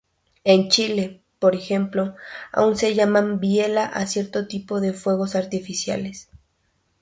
En Chile, por ejemplo, aún se llaman "biela" a cierto tipo de fuegos artificiales.